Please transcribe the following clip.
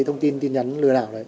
thông tin tin nhắn lừa đảo